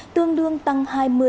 tương đương tăng hai mươi tám